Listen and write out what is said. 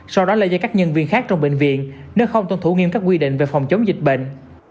sau đó lây cho các nhân viên khác trong bệnh viện nếu không tuân thủ nghiêm các quy định về phòng chống dịch bệnh